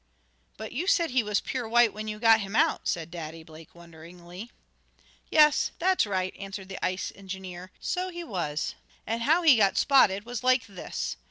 "But you said he was pure white when you got him out," said Daddy Blake wonderingly. "Yes, that's right," answered the ice engineer. "So he was. And how he got spotted was like this.